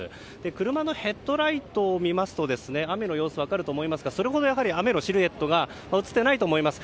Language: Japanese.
車のヘッドライトを見ますと雨の様子分かると思いますがそれほどやはり雨のシルエットが映っていないと思います。